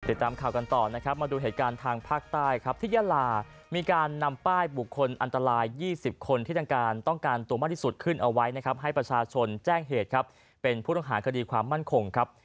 ติดตามข่าวกันต่อนะครับมาดูเหตุการณ์ทางภาคใต้ครับที่ยาลามีการนำป้ายบุคคลอันตราย๒๐คนที่ทางการต้องการตัวมากที่สุดขึ้นเอาไว้นะครับให้ประชาชนแจ้งเหตุครับเป็นผู้ต้องหาคดีความมั่นคงครับ